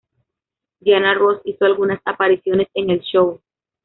Diana Ross hizo algunas apariciones en el show.